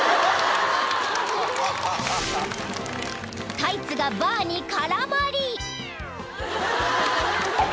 ［タイツがバーに絡まり］